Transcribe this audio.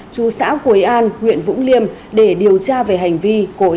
chú xã quế an huyện vũng liêm để điều tra về hành vi